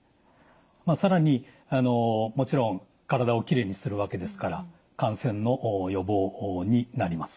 まあ更にもちろん体をきれいにするわけですから感染の予防になります。